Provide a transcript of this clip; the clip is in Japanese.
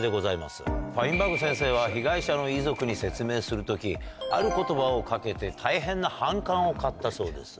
ファインバーグ先生は被害者の遺族に説明する時ある言葉を掛けて大変な反感を買ったそうです。